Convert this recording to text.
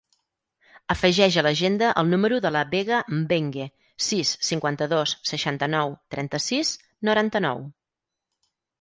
Afegeix a l'agenda el número de la Vega Mbengue: sis, cinquanta-dos, seixanta-nou, trenta-sis, noranta-nou.